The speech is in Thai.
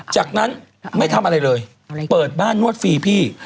จากนั้นไม่ทำอะไรเลยเปิดบ้านนวดฟรีพี่